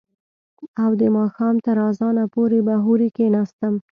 او د ماښام تر اذانه پورې به هورې کښېناستم.